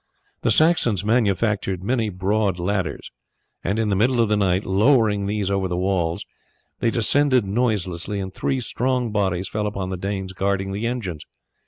The Saxons manufactured many broad ladders, and in the middle of the night, lowering these over the walls, they descended noiselessly, and three strong bodies fell upon the Danes guarding the engines.